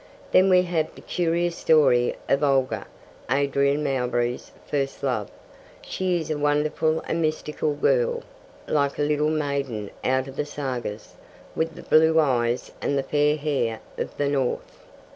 Then we have the curious story of Olga, Adrian Mowbray's first love. She is a wonderful and mystical girl, like a little maiden out of the Sagas, with the blue eyes and fair hair of the North.